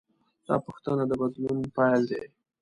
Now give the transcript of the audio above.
دا پوښتنه د بدلون پیل دی.